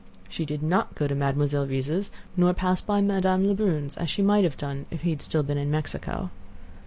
She did not go to Mademoiselle Reisz's nor pass by Madame Lebrun's, as she might have done if he had still been in Mexico.